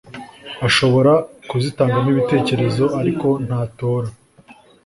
ashobora kuzitangamo ibitekerezo ariko ntatora